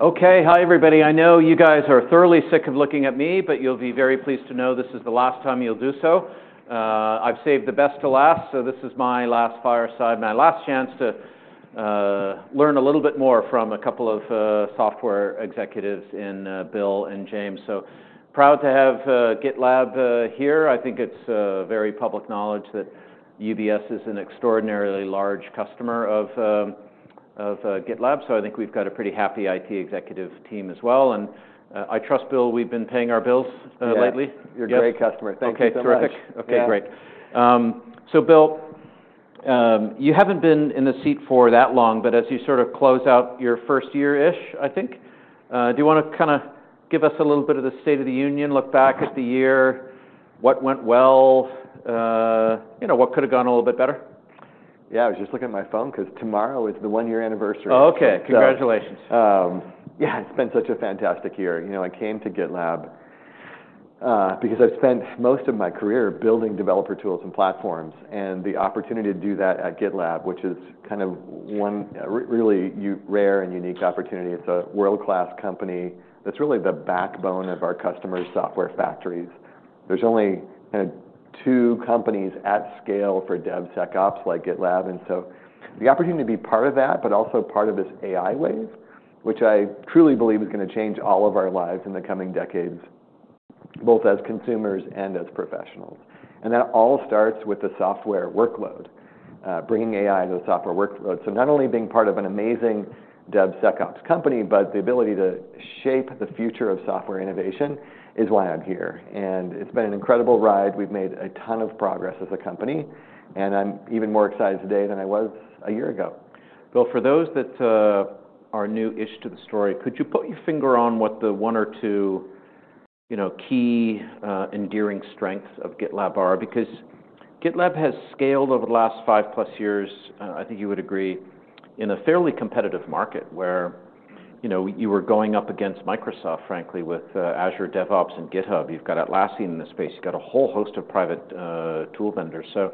Okay, hi everybody. I know you guys are thoroughly sick of looking at me, but you'll be very pleased to know this is the last time you'll do so. I've saved the best to last, so this is my last fireside, my last chance to learn a little bit more from a couple of software executives in Bill and James. So proud to have GitLab here. I think it's very public knowledge that UBS is an extraordinarily large customer of GitLab, so I think we've got a pretty happy IT executive team as well. And I trust, Bill, we've been paying our bills lately. Yes, you're a great customer. Thank you so much. Okay, terrific. Okay, great. So, Bill, you haven't been in the seat for that long, but as you sort of close out your first year-ish, I think, do you want to kind of give us a little bit of the State of the Union, look back at the year, what went well, you know, what could have gone a little bit better? Yeah, I was just looking at my phone because tomorrow is the one-year anniversary. Oh, okay. Congratulations. Yeah, it's been such a fantastic year. You know, I came to GitLab, because I've spent most of my career building developer tools and platforms, and the opportunity to do that at GitLab, which is kind of one really rare and unique opportunity. It's a world-class company that's really the backbone of our customers' software factories. There's only kind of two companies at scale for DevSecOps like GitLab, and so the opportunity to be part of that, but also part of this AI wave, which I truly believe is going to change all of our lives in the coming decades, both as consumers and as professionals. And that all starts with the software workload, bringing AI to the software workload. So not only being part of an amazing DevSecOps company, but the ability to shape the future of software innovation is why I'm here. And it's been an incredible ride. We've made a ton of progress as a company, and I'm even more excited today than I was a year ago. Well, for those that are new-ish to the story, could you put your finger on what the one or two, you know, key, endearing strengths of GitLab are? Because GitLab has scaled over the last 5+ years, I think you would agree, in a fairly competitive market where, you know, you were going up against Microsoft, frankly, with Azure DevOps and GitHub. You've got Atlassian in the space. You've got a whole host of private tool vendors. So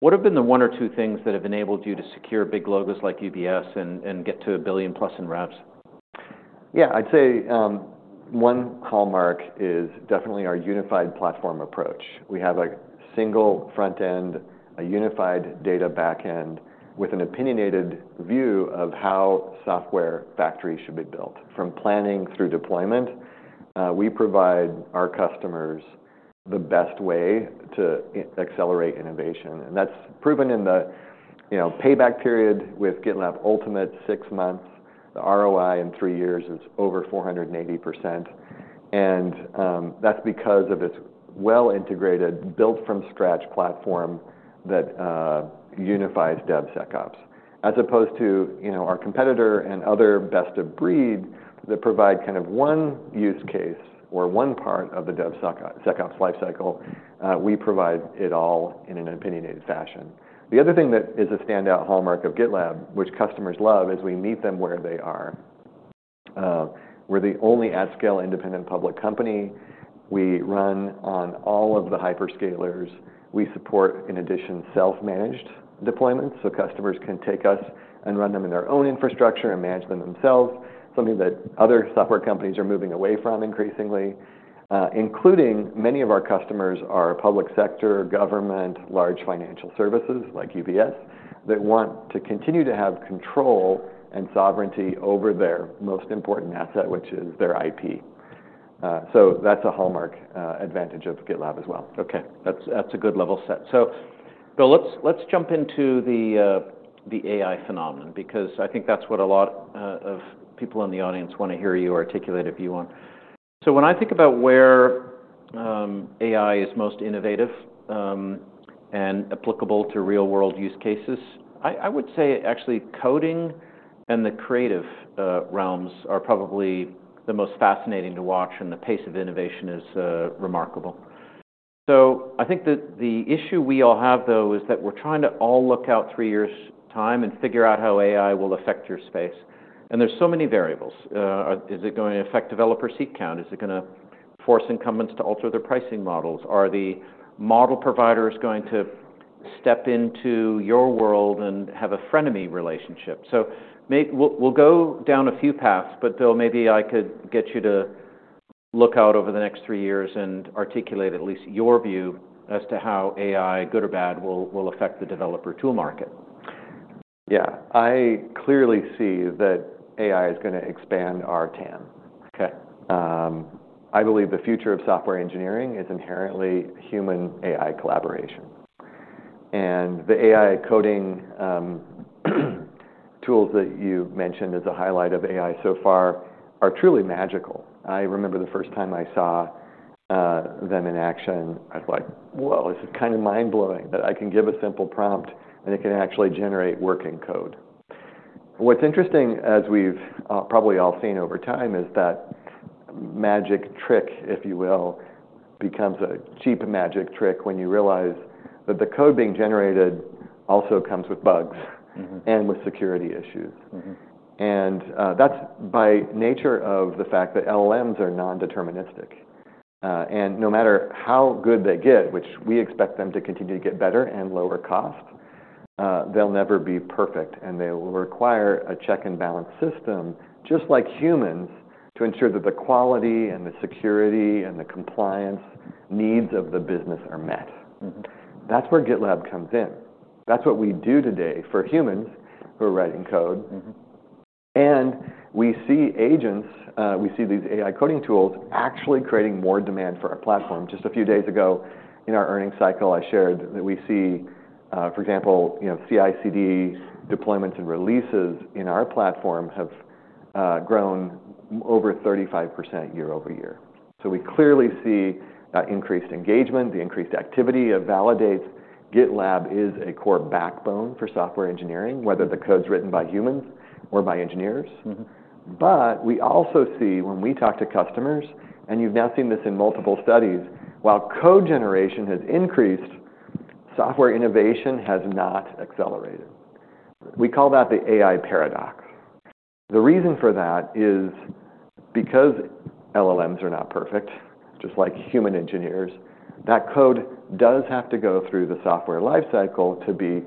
what have been the one or two things that have enabled you to secure big logos like UBS and get to a $1+ billion in reps? Yeah, I'd say one hallmark is definitely our unified platform approach. We have a single front end, a unified data back end, with an opinionated view of how software factories should be built. From planning through deployment, we provide our customers the best way to accelerate innovation, and that's proven in the, you know, payback period with GitLab Ultimate, six months. The ROI in three years is over 480%. And that's because of this well-integrated, built-from-scratch platform that unifies DevSecOps. As opposed to, you know, our competitor and other best of breed that provide kind of one use case or one part of the DevSecOps lifecycle, we provide it all in an opinionated fashion. The other thing that is a standout hallmark of GitLab, which customers love, is we meet them where they are. We're the only at-scale independent public company. We run on all of the hyperscalers. We support, in addition, self-managed deployments, so customers can take us and run them in their own infrastructure and manage them themselves, something that other software companies are moving away from increasingly. Including many of our customers are public sector, government, large financial services like UBS that want to continue to have control and sovereignty over their most important asset, which is their IP. So that's a hallmark advantage of GitLab as well. Okay, that's a good level set. So, Bill, let's jump into the AI phenomenon because I think that's what a lot of people in the audience want to hear you articulate a view on. So when I think about where AI is most innovative and applicable to real-world use cases, I would say actually coding and the creative realms are probably the most fascinating to watch, and the pace of innovation is remarkable. So I think that the issue we all have, though, is that we're trying to look out three years' time and figure out how AI will affect your space. And there's so many variables. Is it going to affect developer seat count? Is it going to force incumbents to alter their pricing models? Are the model providers going to step into your world and have a frenemy relationship? So maybe we'll go down a few paths, but Bill, maybe I could get you to look out over the next three years and articulate at least your view as to how AI, good or bad, will affect the developer tool market. Yeah, I clearly see that AI is going to expand our TAM. Okay. I believe the future of software engineering is inherently human-AI collaboration, and the AI coding tools that you mentioned as a highlight of AI so far are truly magical. I remember the first time I saw them in action. I was like, "Whoa, this is kind of mind-blowing that I can give a simple prompt and it can actually generate working code." What's interesting, as we've probably all seen over time, is that magic trick, if you will, becomes a cheap magic trick when you realize that the code being generated also comes with bugs and with security issues. Mm-hmm. That's by nature of the fact that LLMs are non-deterministic, and no matter how good they get, which we expect them to continue to get better and lower cost, they'll never be perfect, and they will require a check-and-balance system, just like humans, to ensure that the quality and the security and the compliance needs of the business are met. Mm-hmm. That's where GitLab comes in. That's what we do today for humans who are writing code. Mm-hmm. And we see agents. We see these AI coding tools actually creating more demand for our platform. Just a few days ago in our earnings cycle, I shared that we see, for example, you know, CI/CD deployments and releases in our platform have grown over 35% year-over-year. So we clearly see that increased engagement, the increased activity of developers. GitLab is a core backbone for software engineering, whether the code's written by humans or by engineers. Mm-hmm. But we also see when we talk to customers, and you've now seen this in multiple studies, while code generation has increased, software innovation has not accelerated. We call that the AI paradox. The reason for that is because LLMs are not perfect, just like human engineers, that code does have to go through the software lifecycle to be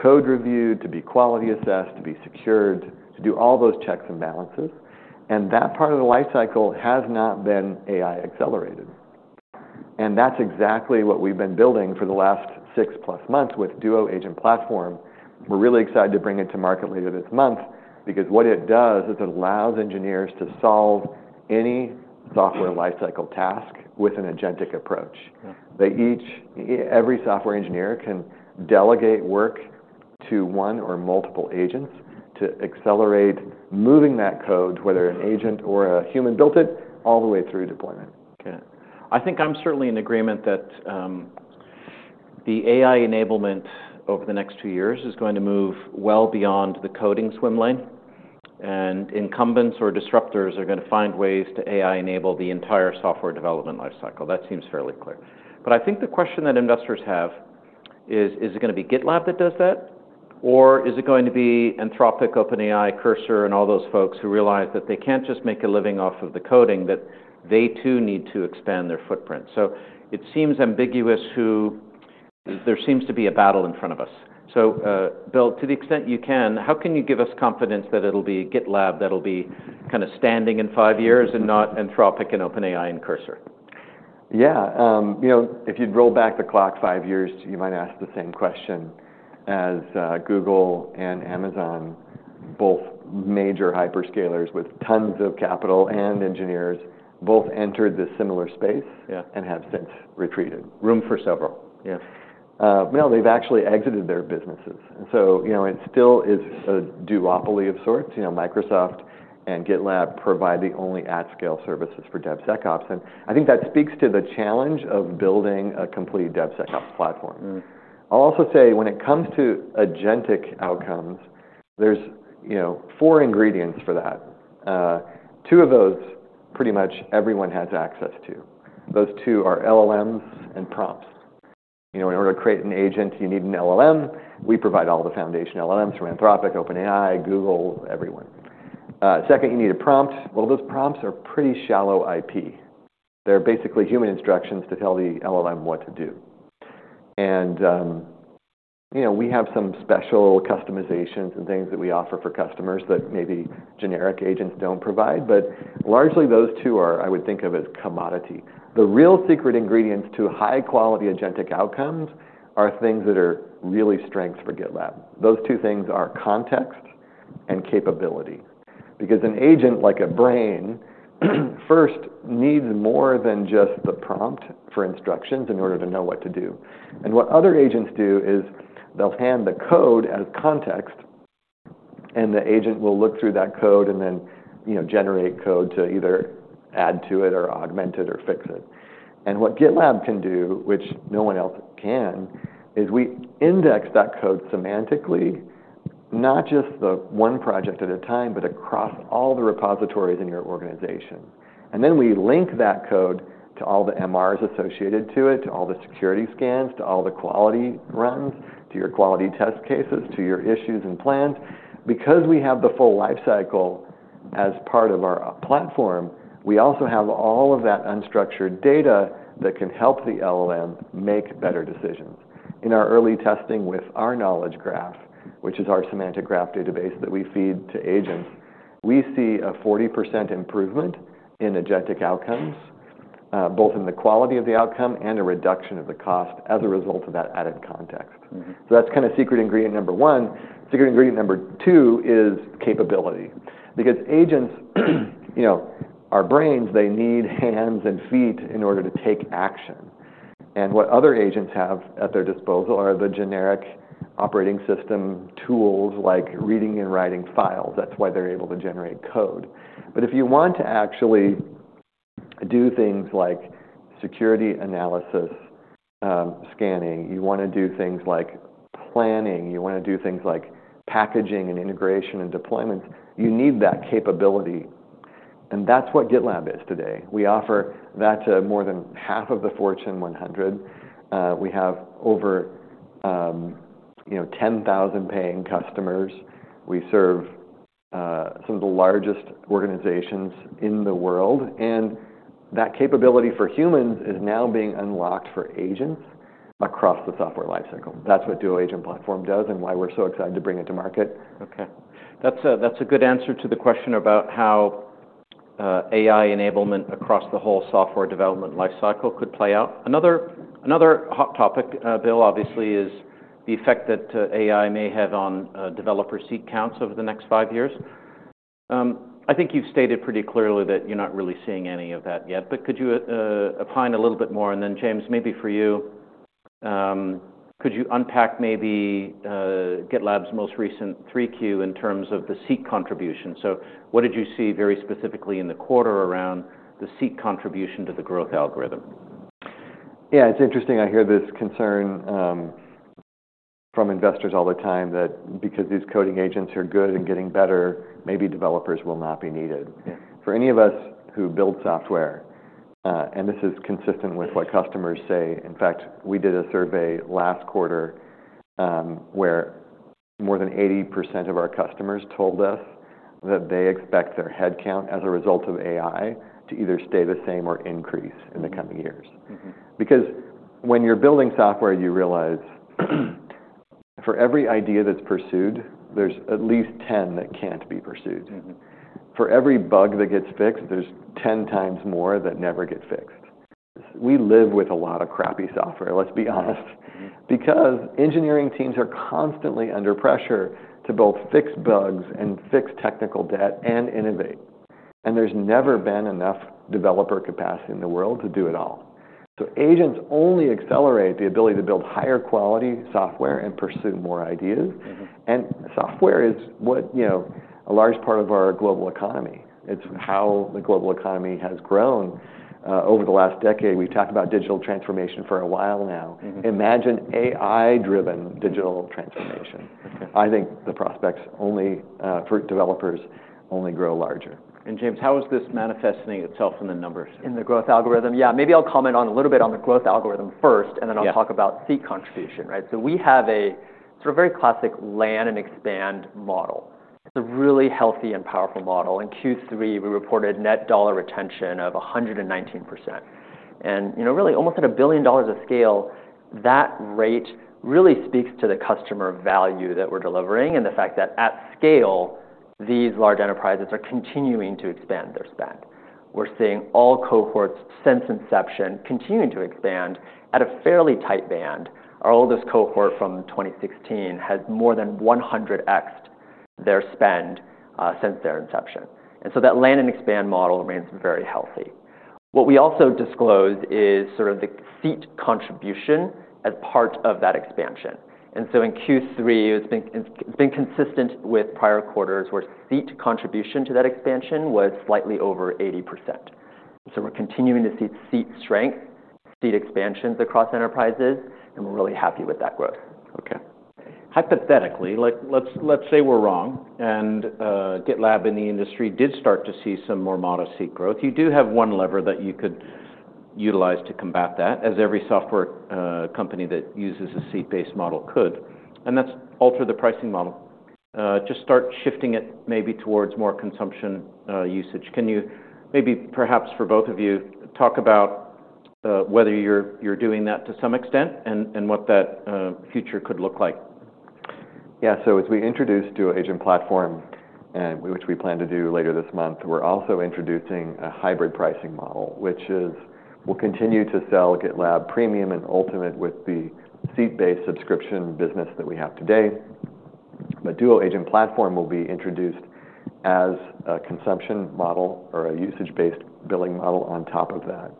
code reviewed, to be quality assessed, to be secured, to do all those checks and balances. And that part of the lifecycle has not been AI accelerated. And that's exactly what we've been building for the last 6+ months with Duo Agent Platform. We're really excited to bring it to market later this month because what it does is it allows engineers to solve any software lifecycle task with an agentic approach. They each, every software engineer can delegate work to one or multiple agents to accelerate moving that code, whether an agent or a human built it, all the way through deployment. Okay. I think I'm certainly in agreement that the AI enablement over the next two years is going to move well beyond the coding swim lane, and incumbents or disruptors are going to find ways to AI enable the entire software development lifecycle. That seems fairly clear, but I think the question that investors have is, is it going to be GitLab that does that, or is it going to be Anthropic, OpenAI, Cursor, and all those folks who realize that they can't just make a living off of the coding, that they too need to expand their footprint, so it seems ambiguous who there seems to be a battle in front of us, so, Bill, to the extent you can, how can you give us confidence that it'll be GitLab that'll be kind of standing in five years and not Anthropic and OpenAI and Cursor? Yeah, you know, if you'd roll back the clock five years, you might ask the same question, as Google and Amazon, both major hyperscalers with tons of capital and engineers, both entered this similar space. Yeah. And have since retreated. Room for several. Yes, well, they've actually exited their businesses, so you know, it still is a duopoly of sorts. You know, Microsoft and GitLab provide the only at-scale services for DevSecOps, and I think that speaks to the challenge of building a complete DevSecOps platform. Mm-hmm. I'll also say when it comes to agentic outcomes, there's, you know, four ingredients for that. Two of those pretty much everyone has access to. Those two are LLMs and prompts. You know, in order to create an agent, you need an LLM. We provide all the foundation LLMs from Anthropic, OpenAI, Google, everyone. Second, you need a prompt. Well, those prompts are pretty shallow IP. They're basically human instructions to tell the LLM what to do, and you know, we have some special customizations and things that we offer for customers that maybe generic agents don't provide, but largely those two are, I would think of as commodity. The real secret ingredients to high-quality agentic outcomes are things that are really strengths for GitLab. Those two things are context and capability. Because an agent, like a brain, first needs more than just the prompt for instructions in order to know what to do. And what other agents do is they'll hand the code as context, and the agent will look through that code and then, you know, generate code to either add to it or augment it or fix it. And what GitLab can do, which no one else can, is we index that code semantically, not just the one project at a time, but across all the repositories in your organization. And then we link that code to all the MRs associated to it, to all the security scans, to all the quality runs, to your quality test cases, to your issues and plans. Because we have the full lifecycle as part of our platform, we also have all of that unstructured data that can help the LLM make better decisions. In our early testing with our knowledge graph, which is our semantic graph database that we feed to agents, we see a 40% improvement in agentic outcomes, both in the quality of the outcome and a reduction of the cost as a result of that added context. Mm-hmm. So that's kind of secret ingredient number one. Secret ingredient number two is capability. Because agents, you know, our brains, they need hands and feet in order to take action. And what other agents have at their disposal are the generic operating system tools like reading and writing files. That's why they're able to generate code. But if you want to actually do things like security analysis, scanning, you want to do things like planning, you want to do things like packaging and integration and deployments, you need that capability. And that's what GitLab is today. We offer that to more than half of the Fortune 100. We have over, you know, 10,000 paying customers. We serve some of the largest organizations in the world. And that capability for humans is now being unlocked for agents across the software lifecycle. That's what Duo Agent Platform does and why we're so excited to bring it to market. Okay. That's a good answer to the question about how AI enablement across the whole software development lifecycle could play out. Another hot topic, Bill, obviously, is the effect that AI may have on developer seat counts over the next five years. I think you've stated pretty clearly that you're not really seeing any of that yet, but could you opine a little bit more? And then, James, maybe for you, could you unpack maybe GitLab's most recent 3Q in terms of the seat contribution? So what did you see very specifically in the quarter around the seat contribution to the growth algorithm? Yeah, it's interesting. I hear this concern from investors all the time that because these coding agents are good and getting better, maybe developers will not be needed. Yeah. For any of us who build software, and this is consistent with what customers say, in fact, we did a survey last quarter, where more than 80% of our customers told us that they expect their headcount as a result of AI to either stay the same or increase in the coming years. Mm-hmm. Because when you're building software, you realize for every idea that's pursued, there's at least 10 that can't be pursued. Mm-hmm. For every bug that gets fixed, there's 10x more that never get fixed. We live with a lot of crappy software, let's be honest. Mm-hmm. Because engineering teams are constantly under pressure to both fix bugs and fix technical debt and innovate. And there's never been enough developer capacity in the world to do it all. So agents only accelerate the ability to build higher quality software and pursue more ideas. Mm-hmm. Software is what, you know, a large part of our global economy. It's how the global economy has grown, over the last decade. We've talked about digital transformation for a while now. Mm-hmm. Imagine AI-driven digital transformation. Okay. I think the prospects for developers only grow larger. James, how is this manifesting itself in the numbers? In the growth algorithm? Yeah, maybe I'll comment on a little bit on the growth algorithm first, and then I'll talk about seat contribution, right? So we have a sort of very classic land and expand model. It's a really healthy and powerful model. In Q3, we reported net dollar retention of 119%. And, you know, really almost at $1 billion of scale, that rate really speaks to the customer value that we're delivering and the fact that at scale, these large enterprises are continuing to expand their spend. We're seeing all cohorts since inception continue to expand at a fairly tight band. Our oldest cohort from 2016 has more than 100x'd their spend, since their inception. And so that land and expand model remains very healthy. What we also disclose is sort of the seat contribution as part of that expansion. And so in Q3, it's been consistent with prior quarters where seat contribution to that expansion was slightly over 80%. So we're continuing to see seat strength, seat expansions across enterprises, and we're really happy with that growth. Okay. Hypothetically, like, let's say we're wrong and GitLab in the industry did start to see some more modest seat growth. You do have one lever that you could utilize to combat that, as every software company that uses a seat-based model could. And that's alter the pricing model. Just start shifting it maybe towards more consumption, usage. Can you maybe perhaps for both of you talk about whether you're doing that to some extent and what that future could look like? Yeah, so as we introduce Duo Agent Platform, which we plan to do later this month, we're also introducing a hybrid pricing model, which is we'll continue to sell GitLab Premium and Ultimate with the seat-based subscription business that we have today. But Duo Agent Platform will be introduced as a consumption model or a usage-based billing model on top of that,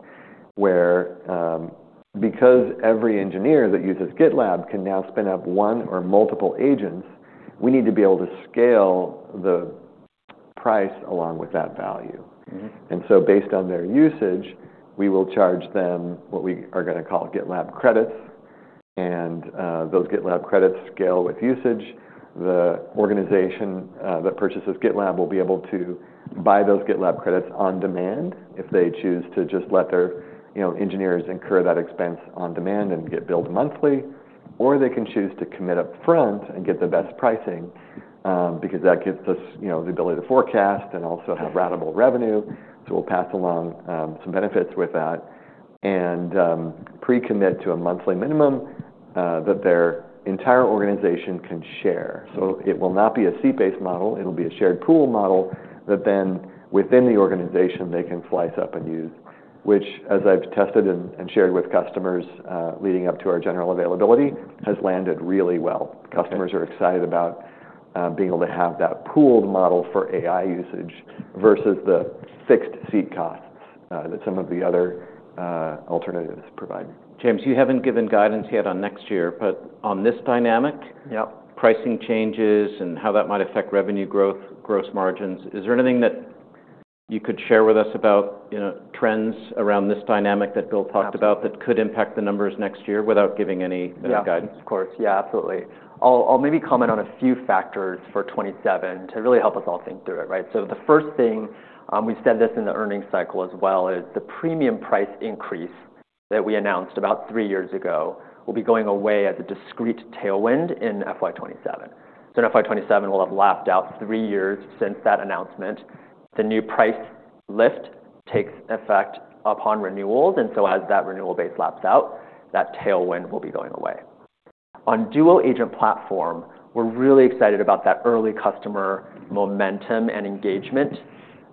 where, because every engineer that uses GitLab can now spin up one or multiple agents, we need to be able to scale the price along with that value. Mm-hmm. Based on their usage, we will charge them what we are going to call GitLab credits. Those GitLab credits scale with usage. The organization that purchases GitLab will be able to buy those GitLab credits on demand if they choose to just let their, you know, engineers incur that expense on demand and get billed monthly, or they can choose to commit upfront and get the best pricing, because that gives us, you know, the ability to forecast and also have ratable revenue. We'll pass along some benefits with that and pre-commit to a monthly minimum that their entire organization can share. It will not be a seat-based model. It'll be a shared pool model that then within the organization they can slice up and use, which as I've tested and shared with customers leading up to our general availability has landed really well. Customers are excited about being able to have that pooled model for AI usage versus the fixed seat costs that some of the other alternatives provide. James, you haven't given guidance yet on next year, but on this dynamic. Yep. Pricing changes and how that might affect revenue growth, gross margins, is there anything that you could share with us about, you know, trends around this dynamic that Bill talked about that could impact the numbers next year without giving any guidance? Yeah, of course. Yeah, absolutely. I'll, I'll maybe comment on a few factors for 2027 to really help us all think through it, right? So the first thing, we said this in the earnings cycle as well, is the Premium price increase that we announced about three years ago will be going away as a discrete tailwind in FY 2027. So in FY 2027, we'll have lapped out three years since that announcement. The new price lift takes effect upon renewals. And so as that renewal base laps out, that tailwind will be going away. On Duo Agent Platform, we're really excited about that early customer momentum and engagement,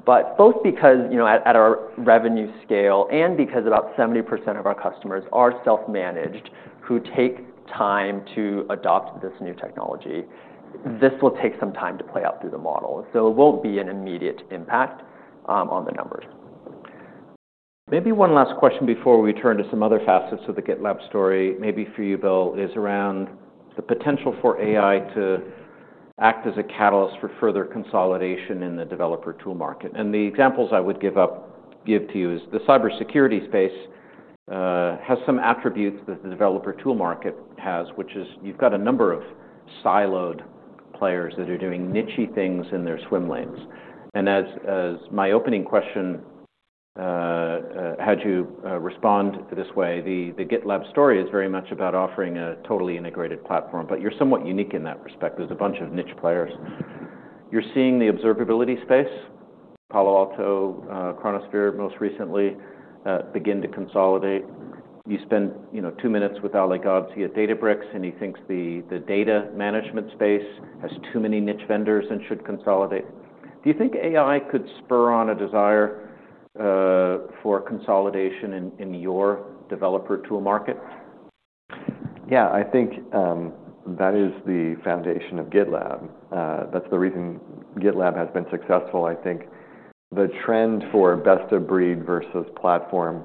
but both because, you know, at, at our revenue scale and because about 70% of our customers are self-managed who take time to adopt this new technology, this will take some time to play out through the model. It won't be an immediate impact on the numbers. Maybe one last question before we turn to some other facets of the GitLab story, maybe for you, Bill, is around the potential for AI to act as a catalyst for further consolidation in the developer tool market. And the examples I would give to you is the cybersecurity space, has some attributes that the developer tool market has, which is you've got a number of siloed players that are doing niche-y things in their swim lanes. And as my opening question had you respond this way, the GitLab story is very much about offering a totally integrated platform, but you're somewhat unique in that respect. There's a bunch of niche players. You're seeing the observability space, Palo Alto, Chronosphere most recently, begin to consolidate. You spent, you know, two minutes with Ali Ghodsi at Databricks, and he thinks the data management space has too many niche vendors and should consolidate. Do you think AI could spur on a desire for consolidation in your developer tool market? Yeah, I think that is the foundation of GitLab. That's the reason GitLab has been successful. I think the trend for best of breed versus platform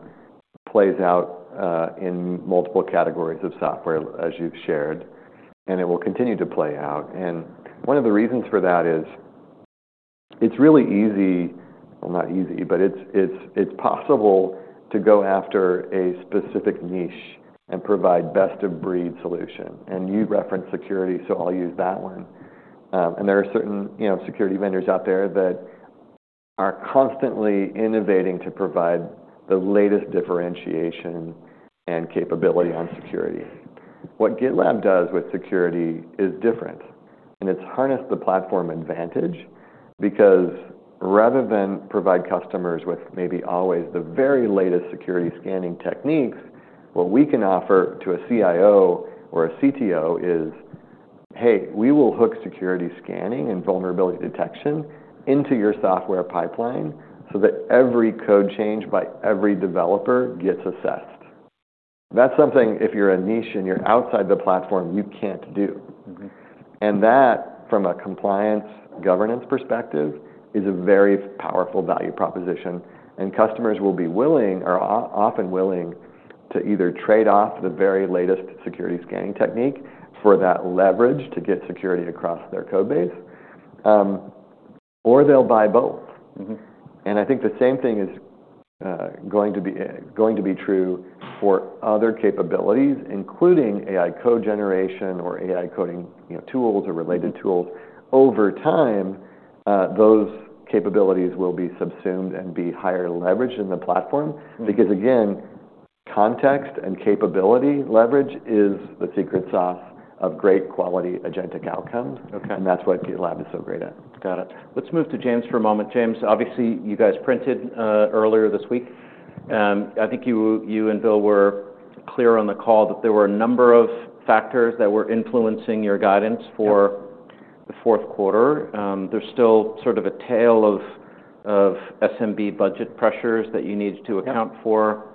plays out in multiple categories of software, as you've shared, and it will continue to play out, and one of the reasons for that is it's really easy, well, not easy, but it's possible to go after a specific niche and provide best of breed solution, and you referenced security, so I'll use that one, and there are certain, you know, security vendors out there that are constantly innovating to provide the latest differentiation and capability on security. What GitLab does with security is different, and it's harnessed the platform advantage because rather than provide customers with maybe always the very latest security scanning techniques, what we can offer to a CIO or a CTO is, "Hey, we will hook security scanning and vulnerability detection into your software pipeline so that every code change by every developer gets assessed." That's something if you're a niche and you're outside the platform, you can't do. Mm-hmm. That, from a compliance governance perspective, is a very powerful value proposition. Customers will be willing or often willing to either trade off the very latest security scanning technique for that leverage to get security across their code base, or they'll buy both. Mm-hmm. I think the same thing is going to be true for other capabilities, including AI code generation or AI coding, you know, tools or related tools. Over time, those capabilities will be subsumed and be higher leveraged in the platform. Mm-hmm. Because again, context and capability leverage is the secret sauce of great quality agentic outcomes. Okay. And that's what GitLab is so great at. Got it. Let's move to James for a moment. James, obviously, you guys printed earlier this week. I think you and Bill were clear on the call that there were a number of factors that were influencing your guidance for the Q4. There's still sort of a tail of SMB budget pressures that you need to account for.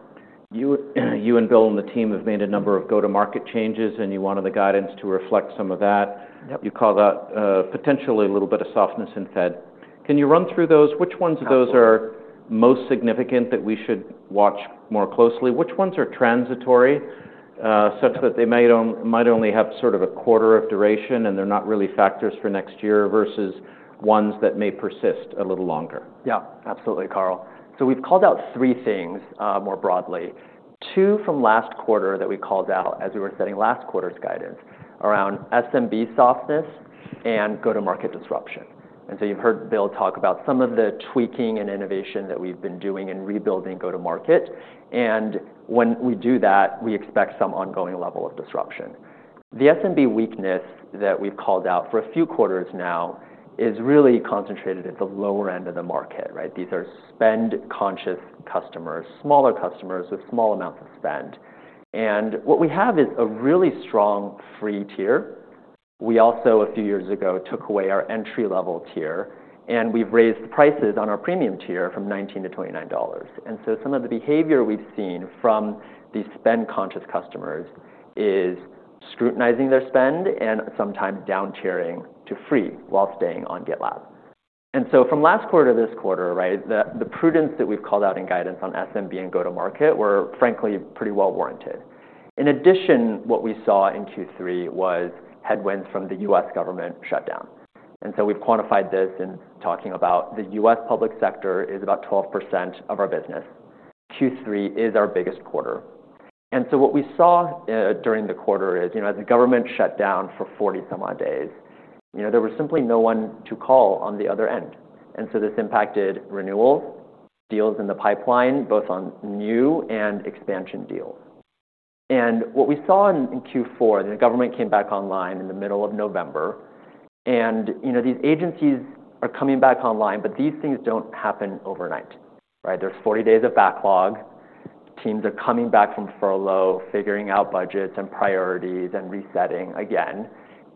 Yeah. You and Bill and the team have made a number of go-to-market changes, and you wanted the guidance to reflect some of that. Yep. You call that, potentially a little bit of softness in Fed. Can you run through those? Which ones of those are most significant that we should watch more closely? Which ones are transitory, such that they might only have sort of a quarter of duration and they're not really factors for next year versus ones that may persist a little longer? Yeah, absolutely, Carl. So we've called out three things, more broadly. Two from last quarter that we called out as we were setting last quarter's guidance around SMB softness and go-to-market disruption. You've heard Bill talk about some of the tweaking and innovation that we've been doing in rebuilding go-to-market. When we do that, we expect some ongoing level of disruption. The SMB weakness that we've called out for a few quarters now is really concentrated at the lower end of the market, right? These are spend-conscious customers, smaller customers with small amounts of spend. What we have is a really strong free tier. We also, a few years ago, took away our entry-level tier, and we've raised the prices on our premium tier from $19-$29. And so some of the behavior we've seen from these spend-conscious customers is scrutinizing their spend and sometimes down-tiering to free while staying on GitLab. And so from last quarter to this quarter, right, the prudence that we've called out in guidance on SMB and go-to-market were, frankly, pretty well-warranted. In addition, what we saw in Q3 was headwinds from the U.S. government shutdown. And so we've quantified this in talking about the U.S. public sector is about 12% of our business. Q3 is our biggest quarter. And so what we saw during the quarter is, you know, as the government shut down for 40-some-odd days, you know, there was simply no one to call on the other end. And so this impacted renewals, deals in the pipeline, both on new and expansion deals. And what we saw in Q4, the government came back online in the middle of November. You know, these agencies are coming back online, but these things don't happen overnight, right? There's 40 days of backlog. Teams are coming back from furlough, figuring out budgets and priorities and resetting again.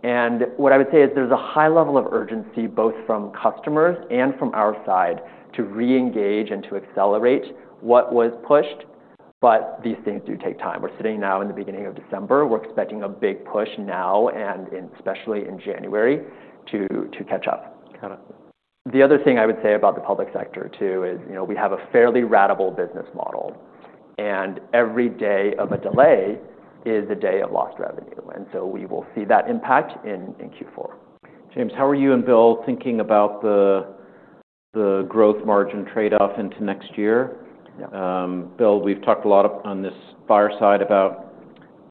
And what I would say is there's a high level of urgency both from customers and from our side to re-engage and to accelerate what was pushed, but these things do take time. We're sitting now in the beginning of December. We're expecting a big push now and especially in January to catch up. Got it. The other thing I would say about the public sector too is, you know, we have a fairly ratable business model, and every day of a delay is a day of lost revenue. And so we will see that impact in Q4. James, how are you and Bill thinking about the growth margin trade-off into next year? Yeah. Bill, we've talked a lot on this fireside about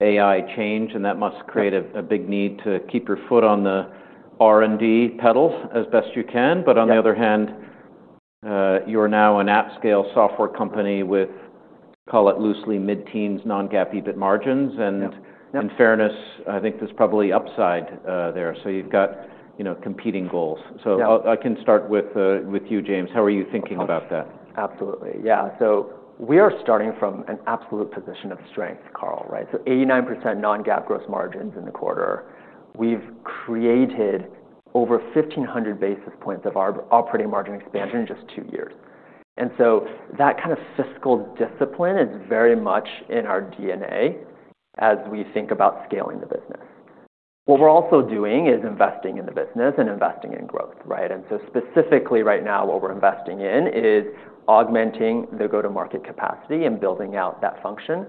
AI change, and that must create a big need to keep your foot on the R&D pedal as best you can. But on the other hand, you're now an at-scale software company with, call it loosely, mid-teens non-GAAP EBIT margins. And. Yep. In fairness, I think there's probably upside there. So you've got, you know, competing goals. So I can start with you, James. How are you thinking about that? Absolutely. Yeah. We are starting from an absolute position of strength, Carl, right? We have 89% non-GAAP gross margins in the quarter. We have created over 1,500 basis points of our operating margin expansion in just two years. That kind of fiscal discipline is very much in our DNA as we think about scaling the business. What we are also doing is investing in the business and investing in growth, right? Specifically right now, what we are investing in is augmenting the go-to-market capacity and building out that function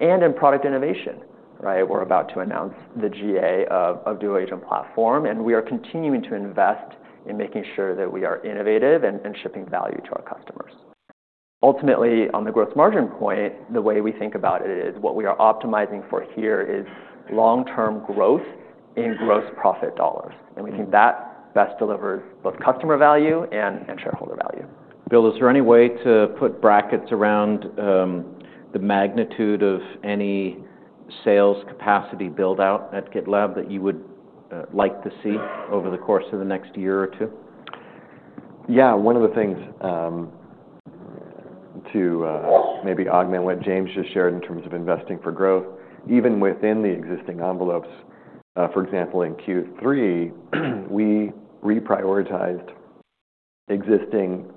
and in product innovation, right? We are about to announce the GA of Duo Agent Platform, and we are continuing to invest in making sure that we are innovative and shipping value to our customers. Ultimately, on the gross margin point, the way we think about it is what we are optimizing for here is long-term growth in gross profit dollars, and we think that best delivers both customer value and shareholder value. Bill, is there any way to put brackets around the magnitude of any sales capacity build-out at GitLab that you would like to see over the course of the next year or two? Yeah. One of the things, to, maybe augment what James just shared in terms of investing for growth, even within the existing envelopes, for example, in Q3, we reprioritized existing,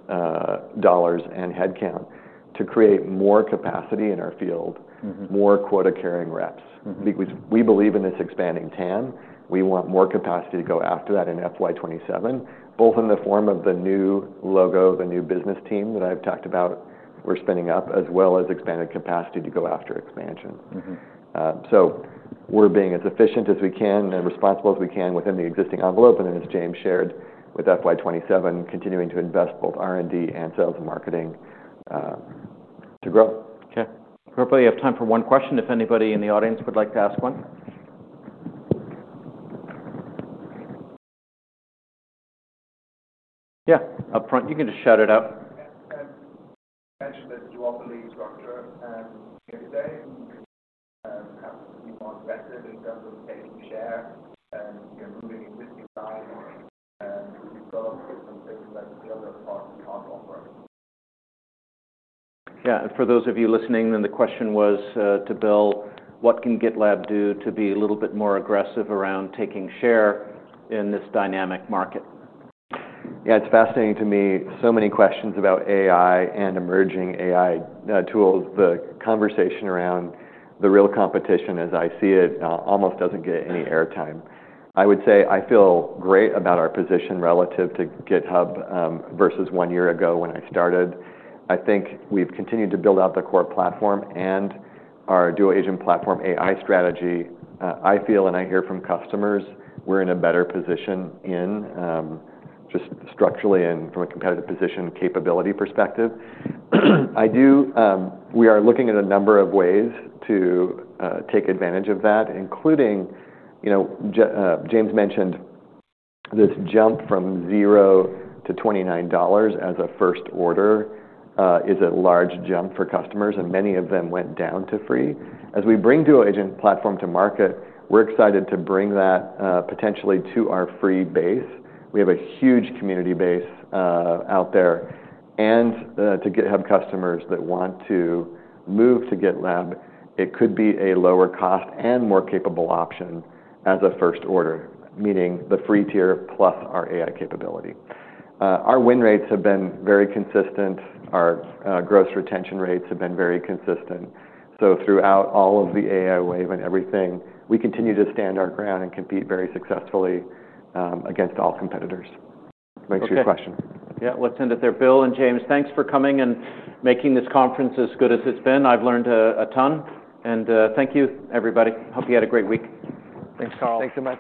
dollars and headcount to create more capacity in our field. Mm-hmm. More quota-carrying reps. Mm-hmm. We believe in this expanding TAM. We want more capacity to go after that in FY 2027, both in the form of the new logo, the new business team that I've talked about we're spinning up, as well as expanded capacity to go after expansion. Mm-hmm. So we're being as efficient as we can and responsible as we can within the existing envelope. And then, as James shared with FY 2027, continuing to invest both R&D and sales and marketing, to grow. Okay. Hopefully, we have time for one question if anybody in the audience would like to ask one. Yeah, upfront, you can just shout it out. You often leave structure. Here today, perhaps you want better in terms of taking share and, you know, moving existing lines and developing something that the other parts can't offer. Yeah. And for those of you listening, then the question was, to Bill, what can GitLab do to be a little bit more aggressive around taking share in this dynamic market? Yeah, it's fascinating to me, so many questions about AI and emerging AI tools. The conversation around the real competition, as I see it, almost doesn't get any airtime. I would say I feel great about our position relative to GitHub, versus one year ago when I started. I think we've continued to build out the core platform and our Duo Agent Platform AI strategy. I feel and I hear from customers we're in a better position in, just structurally and from a competitive position, capability perspective. I do, we are looking at a number of ways to take advantage of that, including, you know, James mentioned this jump from $0-$29 as a first order, is a large jump for customers, and many of them went down to free. As we bring Duo Agent Platform to market, we're excited to bring that, potentially to our free base. We have a huge community base out there. To GitHub customers that want to move to GitLab, it could be a lower-cost and more capable option as a first order, meaning the free tier plus our AI capability. Our win rates have been very consistent. Our gross retention rates have been very consistent. Throughout all of the AI wave and everything, we continue to stand our ground and compete very successfully against all competitors. Okay. To answer your question. Yeah. Let's end it there. Bill and James, thanks for coming and making this conference as good as it's been. I've learned a ton. And thank you, everybody. Hope you had a great week. Thanks, Carl. Thanks so much.